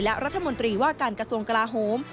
และรัฐมนตรีว่าการกระทรวงกลาโฮม